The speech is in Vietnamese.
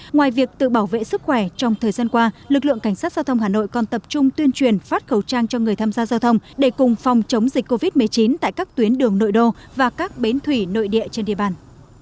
ngoài việc tự bảo vệ sức khỏe trong thời gian qua lực lượng cảnh sát giao thông hà nội còn tập trung tuyên truyền phát khẩu trang cho người tham gia giao thông để cùng phòng chống dịch covid một mươi chín tại các tuyến đường nội đô và các bến thủy nội địa trên địa bàn